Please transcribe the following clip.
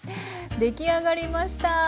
出来上がりました！